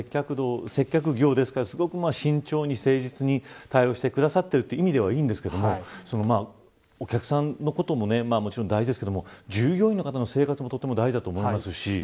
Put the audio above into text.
接客業ですからすごく慎重に誠実に対応してくださってるという意味ではいいんですがお客さんのことももちろん大事ですが従業員の方の生活もとても大事だと思いますし。